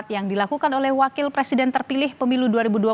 yang dilakukan oleh wakil presiden terpilih pemilu dua ribu dua puluh